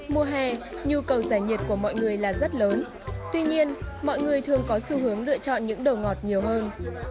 mùa hè nhu cầu giải nhiệt của mọi người là rất lớn tuy nhiên mọi người thường có xu hướng lựa chọn những đồ ngọt nhiều hơn